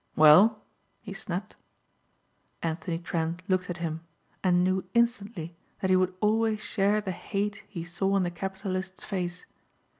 "Well?" he snapped. Anthony Trent looked at him and knew instantly that he would always share the hate he saw in the capitalist's face.